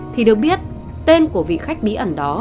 thì được biết tên của vị khách bí ẩn đó